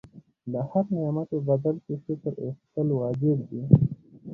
د هر نعمت په بدل کې شکر ایستل واجب دي.